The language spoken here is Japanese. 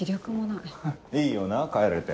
いいよなぁ帰れて。